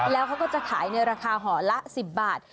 แล้วเขาก็จะขายในราคาห่อละ๑๐บาท